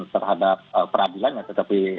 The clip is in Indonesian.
terhadap peradilan ya tetapi